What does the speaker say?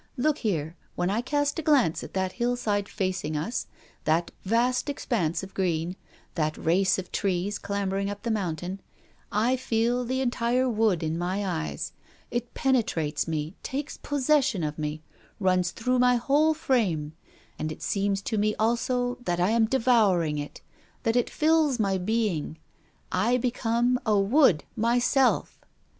Look here! when I cast a glance at that hillside facing us, that vast expanse of green, that race of trees clambering up the mountain, I feel the entire wood in my eyes; it penetrates me, takes possession of me, runs through my whole frame; and it seems to me also that I am devouring it, that it fills my being I become a wood myself!"